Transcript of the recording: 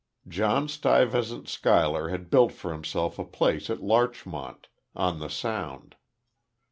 John Stuyvesant Schuyler had built for himself a place at Larchmont, on the Sound.